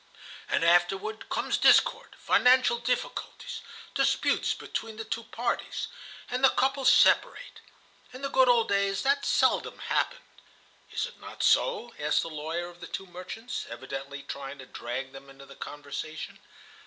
"And afterward comes discord, financial difficulties, disputes between the two parties, and the couple separate. In the good old days that seldom happened. Is it not so?" asked the lawyer of the two merchants, evidently trying to drag them into the conversation.